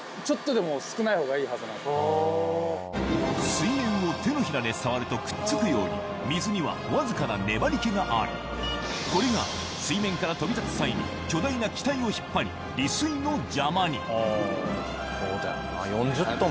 水面を手のひらで触るとくっつくようにこれが水面から飛び立つ際に巨大な機体を引っ張り離水の邪魔にそうだよなぁ。